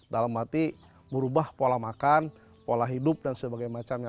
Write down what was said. dalam arti merubah pola makan pola hidup dan sebagainya